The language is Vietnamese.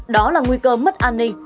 đó là nguy cơ mất an ninh lừa đảo trên mạng